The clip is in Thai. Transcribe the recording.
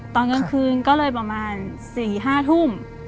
ตอนกลางคืนก็เลยประมาณ๔๕ทุ่ม